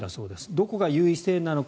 どこが優位性なのか。